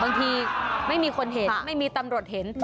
บางทีไม่มีคนเห็นไม่มีตำรวจเห็น